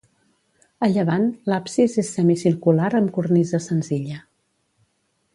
A llevant, l'absis és semicircular amb cornisa senzilla.